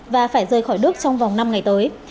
và phải rời khỏi đức trong vòng năm ngày tới